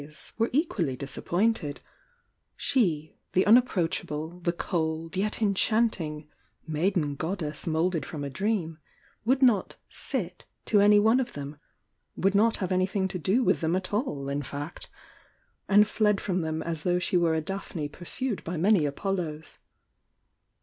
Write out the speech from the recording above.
's, were equally disappointed,— she, the unapproachable, the cold, yet enchanting "maiden goddess moulded from a dream would not "sit" to any one of them,— would not have anything to do with them at all, in facl^ and fled from them as though she were a Daphne puraued by many ApoUos.